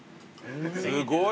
すごいな。